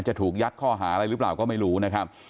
จะถูกยัดข้อหาอะไรหรือเปล่าก็ไม่รู้นะครับ